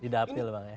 didapil emang ya